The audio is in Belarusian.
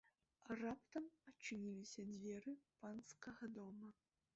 Раптам адчыніліся дзверы панскага дома.